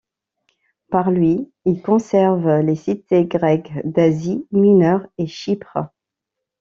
Par lui, il conserve les cités Grecques d'Asie Mineure et Chypre.